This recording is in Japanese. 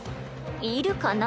いるかな？